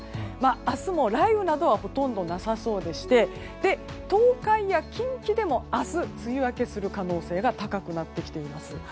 明日も雷雨などはほとんどなさそうでして東海や近畿でも明日梅雨明けする可能性が高くなってきています。